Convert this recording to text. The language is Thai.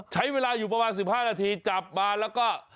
ใช้เวลาอยู่ประมาณ๑๕นาทีจับมาแล้วก็